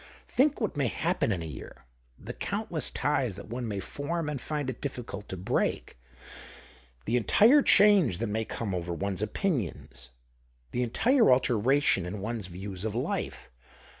Think what may happen in a year— the countless ties that one may form and find it difficult to break ; the entire change that may come over one's opinions, the entire alteration in one's views of life.